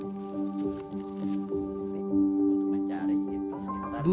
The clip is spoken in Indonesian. tarsius belitung diberi nama tarsius belitung